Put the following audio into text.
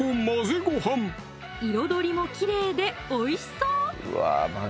彩りもきれいでおいしそう！